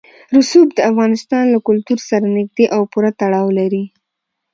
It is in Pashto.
رسوب د افغانستان له کلتور سره نږدې او پوره تړاو لري.